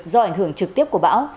do ảnh hưởng trực tiếp của bão